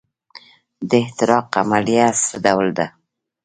د احتراق عملیه څه ډول ده.